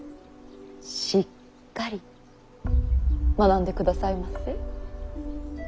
しっかり学んでくださいませ。